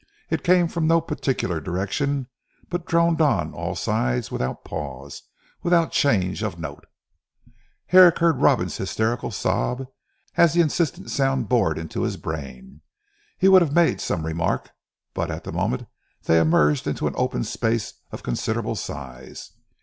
It came from no particular direction, but droned on all sides without pause, without change of note. Herrick heard Robin's hysterical sob, as the insistent sound bored into his brain. He would have made some remark; but at the moment they emerged into a open space of considerable size.